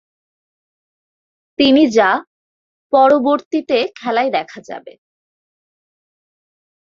তিনি যা পরবর্তীতে খেলায় দেখা যাবে।